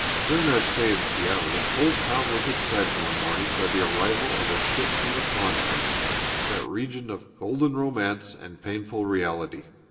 During our stay in Seattle the whole town was excited one morning by the arrival of a ship from the Klondike, that region of golden romance and painful reality.